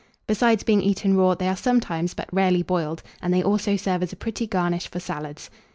Besides being eaten raw, they are sometimes, but rarely, boiled; and they also serve as a pretty garnish for salads.